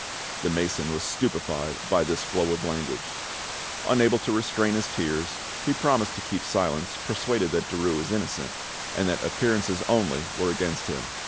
The mason was stupefied by this flow of language. Unable to restrain his tears, he promised to keep silence, persuaded that Derues was innocent, and that appearances only were against him.